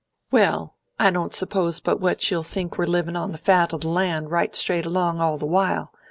"Well, I don't suppose but what you'll think we're livin' on the fat o' the land, right straight along, all the while.